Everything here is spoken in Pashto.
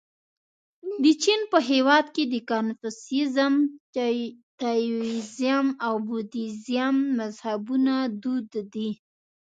د چین په هېواد کې د کنفوسیزم، تائویزم او بودیزم مذهبونه دود دي.